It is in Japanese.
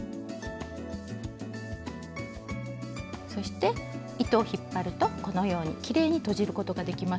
そして糸を引っ張るとこのようにきれいにとじることができますよ。